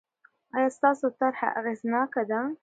آیا ستاسو طرحه اغېزناکه ده؟